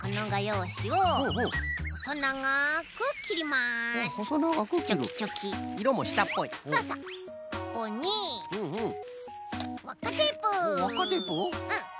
うん。